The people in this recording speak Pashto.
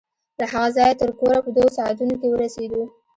له هغه ځايه تر کوره په دوو ساعتو کښې ورسېدو.